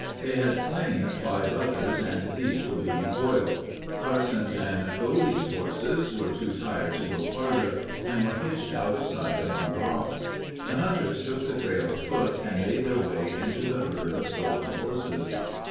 They had slain five others and these were being boiled. Carson's and Godey's horses were too tired to go farther and were hitched out of sight among the rocks. The hunters took the trail afoot and made their way into the herd of stolen horses.